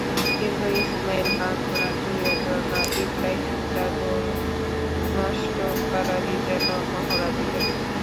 কিন্তু Ismail Bangura, Jewel Rana, ইব্রাহিমরা goal নষ্ট করারই যেন মহড়া দিলেন।